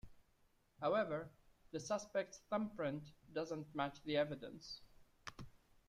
However, the suspect's thumbprint doesn't match the evidence.